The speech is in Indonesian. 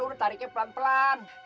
udah tariknya pelan pelan